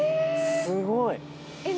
すごい！何？